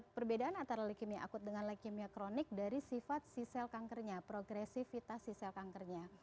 perbedaan antara leukemia akut dengan leukemia kronik dari sifat si sel kankernya progresivitas si sel kankernya